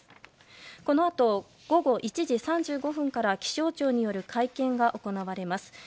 このあと、午前１時３５分から気象庁による会見が行われます。